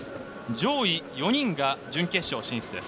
上位４人が準決勝進出です。